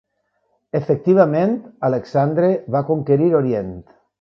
Efectivament, Alexandre va conquerir Orient.